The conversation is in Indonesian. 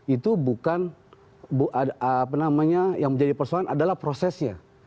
itu bukan apa namanya yang menjadi persoalan adalah prosesnya